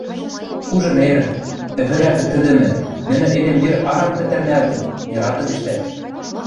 Кужынер, ӹвӹрӓ пӹтӹдӹмӹ; нӹнӹ эдем йӹр аран пӹтӹрнӓлтӹт, нератым ӹштӓт.